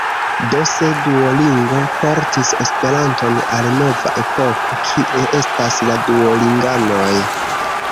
Do, se Duolingo portis Esperanton al nova epoko, kie estas la Duolinganoj?